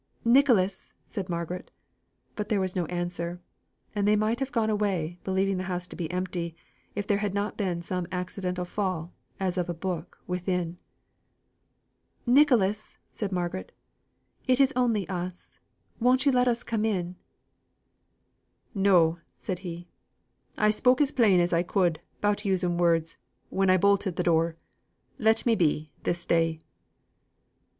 "Nicholas!" said Margaret. There was no answer, and they might have gone away, believing the house to be empty, if there had not been some accidental fall, as of a book, within. "Nicholas!" said Margaret again. "It is only us. Won't you let us come in?" "No," said he. "I spoke as plain as I could, 'bout using words, when I bolted th' door. Let me be, this day." Mr.